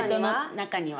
中には。